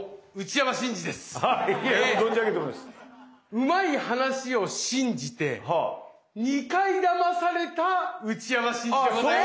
うまい話を信じて二回だまされた内山信二でございます。